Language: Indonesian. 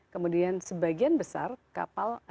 kemudian sebagian besar kapal